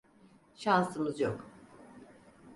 Şansımız yok.